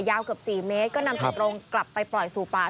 เกือบ๔เมตรก็นำจากตรงกลับไปปล่อยสู่ป่า